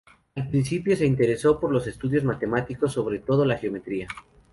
Al principio se interesó por los estudios matemáticos, sobre todo la geometría.